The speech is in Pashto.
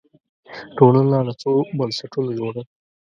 ټولنه له څو بنسټونو جوړه ده